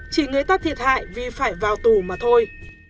chỉ người ta thiệt hại vì phải vào tù mà thôi